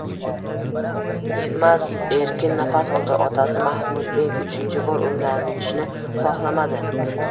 Yilmaz erkin nafas oldi, Otasi Mahmudbek uchinchi bor uylanishni xohlamadi.